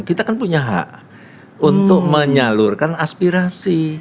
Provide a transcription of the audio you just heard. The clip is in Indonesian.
kita kan punya hak untuk menyalurkan aspirasi